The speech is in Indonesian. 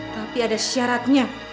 tapi ada syaratnya